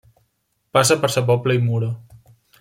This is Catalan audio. Passa per Sa Pobla i Muro.